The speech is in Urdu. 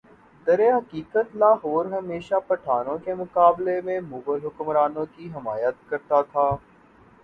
درحقیقت لاہور ہمیشہ پٹھانوں کے مقابلہ میں مغل حکمرانوں کی حمایت کرتا رہا